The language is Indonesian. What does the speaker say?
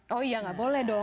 oh iya nggak boleh dong